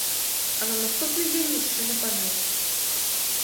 А на наступны дзень мужчына памёр.